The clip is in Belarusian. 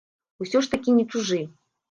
Усё ж такі не чужы.